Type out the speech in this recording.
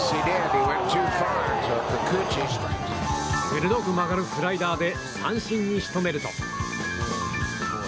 鋭く曲がるスライダーで三振に仕留めると。